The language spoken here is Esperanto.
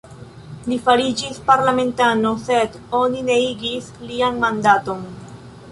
Li fariĝis parlamentano, sed oni neniigis lian mandaton.